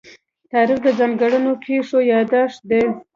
تاریخ د ځانګړو پېښو يادښت دی.